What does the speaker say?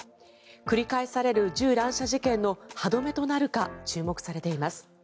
繰り返される銃乱射事件の歯止めとなるか注目されています。